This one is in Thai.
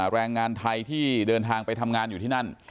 แรงงานไทยที่เดินทางไปทำงานอยู่ที่นั่น